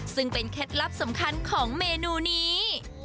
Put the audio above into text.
ซึ่งเป็นเคล็ดลับสำคัญของเมนูนี้